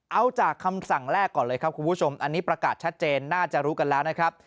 เอาจากคำสั่งแรกก่อนเลยครับคุณผู้ชมอันนี้ประกาศชัดเจนน่าจะรู้กันแล้วนะครับ